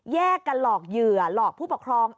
แยกกันหลอกเหยื่อหลอกผู้ปกครอง